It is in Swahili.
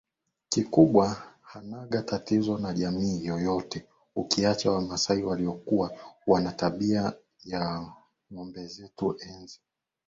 kikubwa hanaga tatizo na jamii yoyote ukiacha wamasai waliokuwa wanatuibia ngombe zetu enzi na